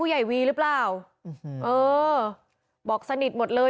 อื้อบอกสนิทหมดเลย